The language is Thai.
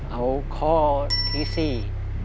เอาข้อที่สี่